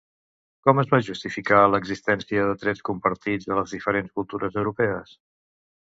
Com es va justificar l'existència de trets compartits a les diferents cultures europees?